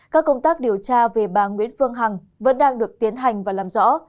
các công tác điều tra về bà nguyễn phương hằng vẫn đang được tiến hành và làm rõ